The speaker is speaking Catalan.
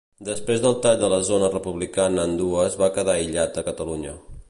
Després del tall de la zona republicana en dues va quedar aïllat a Catalunya.